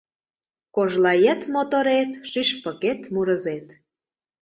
Кожлает-моторет, шӱшпыкет-мурызет!